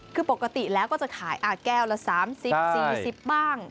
คือปกติแล้วก็จะขายแก้วละ๓๐๔๐บ้าง